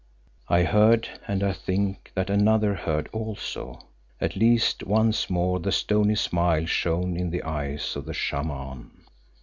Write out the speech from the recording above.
I heard and I think that another heard also, at least once more the stony smile shone in the eyes of the Shaman.